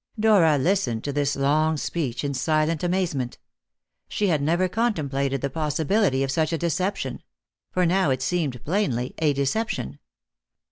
Dora listened to this long speech in silent amazement. She had never contemplated the possibility of such a deception for now it seemed plainly a deception.